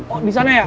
oh disana ya